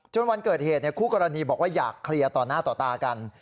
วันเกิดเหตุคู่กรณีบอกว่าอยากเคลียร์ต่อหน้าต่อตากัน